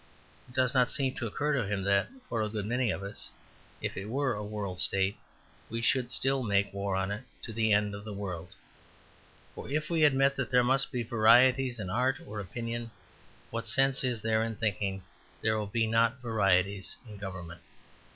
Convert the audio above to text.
It does not seem to occur to him that, for a good many of us, if it were a world state we should still make war on it to the end of the world. For if we admit that there must be varieties in art or opinion what sense is there in thinking there will not be varieties in government?